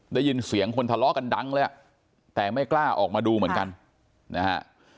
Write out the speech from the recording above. ได้ยินเสียงคนทะเลาะกันดังเลยอ่ะแต่ไม่กล้าออกมาดูเหมือนกันนะฮะ